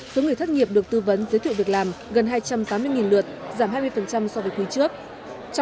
số người thất nghiệp được tư vấn giới thiệu việc làm gần hai trăm tám mươi lượt giảm hai mươi so với quý trước